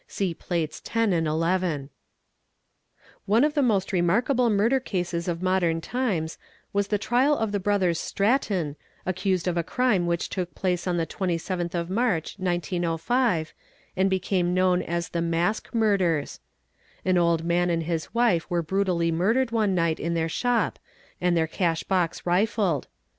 (See Plates X. & XI, | FINGER PRINTS | 283 One of the most remarkable murder cases of modern times was the trial of the brothers Stratton aceused of a crime which took place on the 27th of March 1905 and became known as the "'mask murders". An old man and his wife were brutally murdered one night in their shop and their cash box rifled.